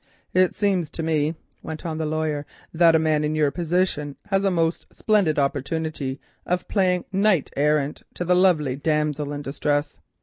"It seems to me," went on the lawyer, "that a man in your position has a most splendid opportunity of playing knight errant to the lovely damsel in distress.